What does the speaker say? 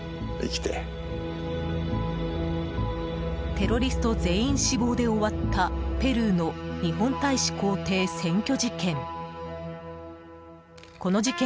テロリスト全員死亡で終わったペルーの日本大使公邸占拠事件。